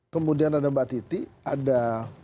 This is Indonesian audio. kemudian ada mbak titi ada